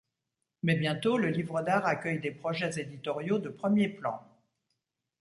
Mais bientôt, le livre d’art accueille des projets éditoriaux de premier plan.